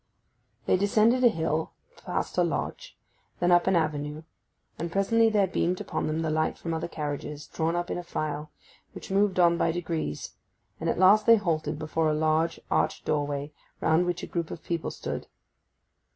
They descended a hill, passed a lodge, then up an avenue; and presently there beamed upon them the light from other carriages, drawn up in a file, which moved on by degrees; and at last they halted before a large arched doorway, round which a group of people stood.